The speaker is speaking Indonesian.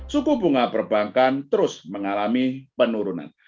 suku bunga perbankan terus mengalami penurunan